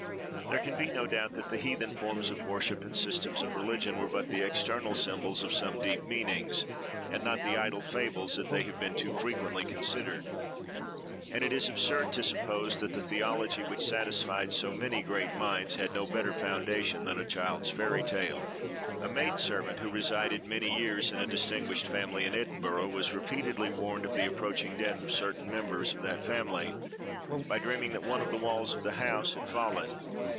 There can be no doubt that the heathen forms of worship and systems of religion were but the external symbols of some deep meanings, and not the idle fables that they have been too frequently considered; and it is absurd to suppose that the theology which satisfied so many great minds had no better foundation than a child's fairy tale. A maid servant, who resided many years in a distinguished family in Edinburgh, was repeatedly warned of the approaching death of certain members of that family, by dreaming that one of the walls of the house had fallen.